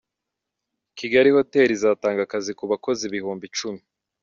Kigali Hoteri izatanga akazi ku bakozi Ibihumbi Icumi